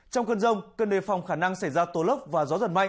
trong cơn rông cần đề phòng khả năng xảy ra tố lốc và gió giật mạnh